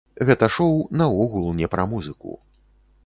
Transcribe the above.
Гэта шоу наогул не пра музыку.